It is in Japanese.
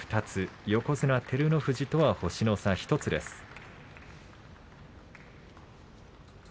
２つ横綱照ノ富士とは星の差１つです。